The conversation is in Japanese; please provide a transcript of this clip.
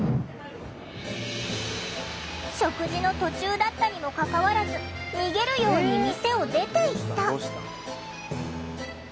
食事の途中だったにもかかわらず逃げるように店を出ていった。